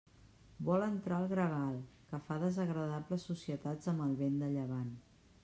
Vol entrar el gregal, que fa desagradables societats amb el vent de llevant.